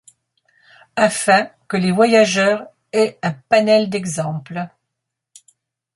Afin que les voyageurs aient un panel d'exemples.